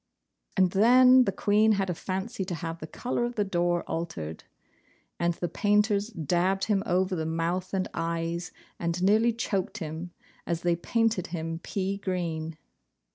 And then the Queen had a fancy to have the colour of the door altered; and the painters dabbed him over the mouth and eyes, and nearly choked him, as they painted him pea green.